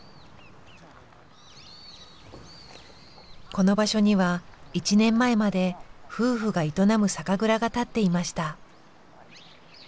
この場所には１年前まで夫婦が営む酒蔵が建っていました。